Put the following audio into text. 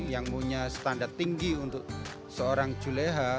yang punya standar tinggi untuk seorang juleha